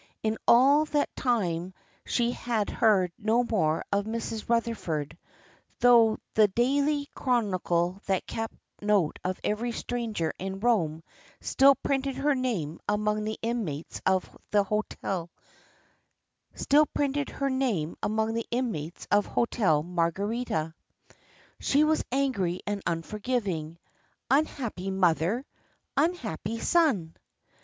In all that time she had heard no more of Mrs. Rutherford, though the daily chronicle that kept note of every stranger in Rome still printed her name among the inmates of the Hotel Marguerita. She was angry and unforgiving. Unhappy mother! Unhappy son!